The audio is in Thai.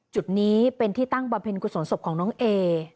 จุดนี้เป็นที่ตั้งบำเพ็ญกุศลศพของน้องเอ